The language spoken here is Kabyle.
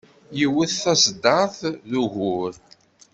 Yewwet taseddart d ugur.